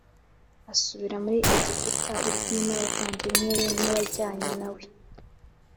asubira muri Egiputa ari kumwe n abavandimwe be n abajyanye na we